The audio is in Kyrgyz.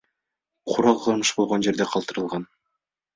Курал кылмыш болгон жерде калтырылган.